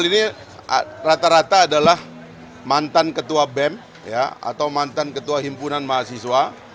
jadi ini rata rata adalah mantan ketua bem ya atau mantan ketua himpunan mahasiswa